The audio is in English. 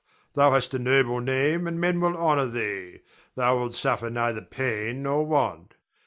Thou hast a noble name and men will honor thee, thou wilt suffer neither pain nor want.